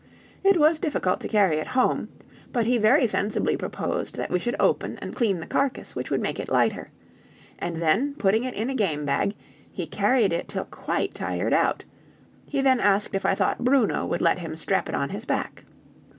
It was difficult to carry it home, but he very sensibly proposed that we should open and clean the carcase, which would make it lighter and then putting it in a game bag, he carried it till quite tired out; he then asked if I thought Bruno would let him strap it on his back.